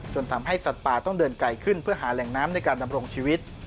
ทำให้สัตว์ป่าต้องเดินไกลขึ้นเพื่อหาแหล่งน้ำในการดำรงชีวิต